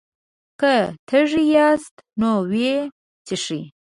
که تږي ياست نو ويې څښئ!